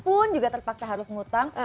kalaupun juga terpaksa harus utang